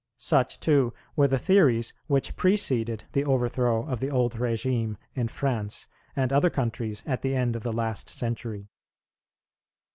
Such too were the theories which preceded the overthrow of the old regime in France and other countries at the end of the last century.